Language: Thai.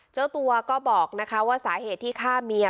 เจ้าตัวก็บอกนะคะว่าสาเหตุที่ฆ่าเมีย